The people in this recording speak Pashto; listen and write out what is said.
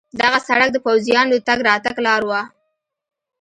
دغه سړک د پوځیانو د تګ راتګ لار وه.